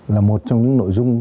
là một trong những nội dung